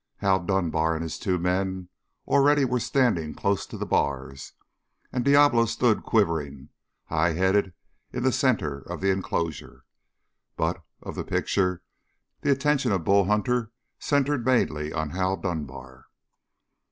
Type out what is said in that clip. Hal Dunbar and his two men already were standing close to the bars, and Diablo stood quivering, high headed, in the center of the inclosure. But, of the picture, the attention of Bull Hunter centered mainly on Hal Dunbar.